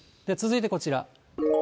続いてこちら。